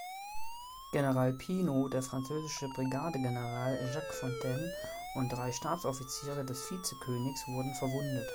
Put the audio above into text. General Pino, der französische Brigadegeneral Jacques Fontane und drei Stabsoffiziere des Vizekönigs wurden verwundet.